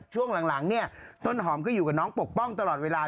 ช่วงหลังเนี่ยต้นหอมก็อยู่กับน้องปกป้องตลอดเวลา